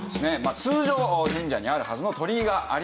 通常神社にあるはずの鳥居がありません。